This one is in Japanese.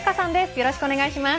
よろしくお願いします。